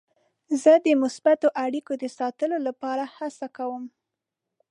زه د مثبتو اړیکو د ساتلو لپاره هڅه کوم.